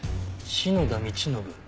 「篠田道信」